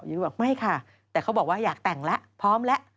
บอกไม่ค่ะแต่เขาบอกว่าอยากแต่งแล้วพร้อมแล้ว